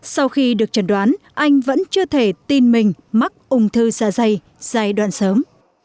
sau khi được chẩn đoán anh vẫn chưa thể tin mình mắc ung thư dạ dây giai đoạn sớm